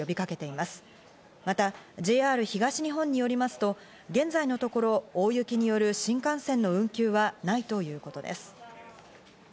またＪＲ東日本によりますと現在のところ大雪による新幹線の運休はないということです。